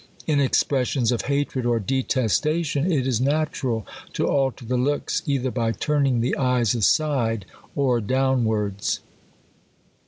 In expressions of hatred or detestation, it is natural to alter the looks, either by turning the eyes aside, or downwards.